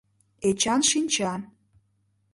Эчан шинча.